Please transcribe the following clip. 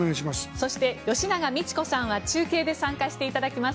そして吉永みち子さんは中継で参加していただきます。